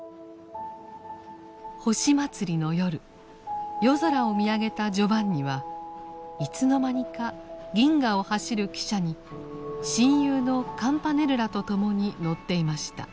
星まつりの夜夜空を見上げたジョバンニはいつの間にか銀河を走る汽車に親友のカムパネルラと共に乗っていました。